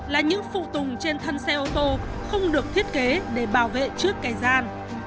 là những phụ tùng trên thân xe ô tô không được thiết kế để bảo vệ trước kẻ gian